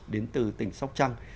đến từ tỉnh sóc trăng